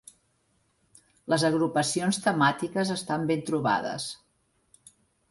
Les agrupacions temàtiques estan ben trobades.